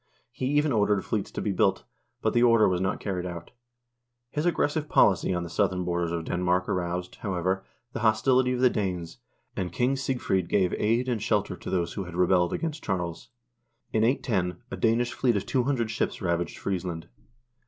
He even ordered fleets to be built, but the order was not carried out. His aggressive policy on the southern borders of Denmark aroused, however, the hostility of the Danes, and King Sigfred gave aid and shelter to those who had rebelled against Charles. In 810 a Danish fleet of 200 ships ravaged Friesland.